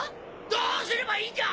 どうすればいいんじゃ！